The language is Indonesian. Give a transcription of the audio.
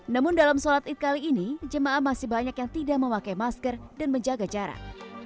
namun dalam sholat id kali ini jemaah masih banyak yang tidak memakai masker dan menjaga jarak